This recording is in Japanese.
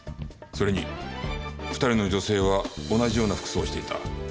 それに２人の女性は同じような服装をしていた。